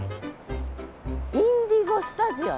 インディゴスタジオ。